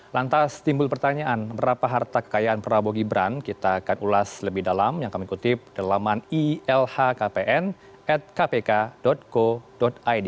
lantas timbul pertanyaan berapa harta kekayaan prabowo gibran kita akan ulas lebih dalam yang kami kutip dalaman ilhkpn kpk go id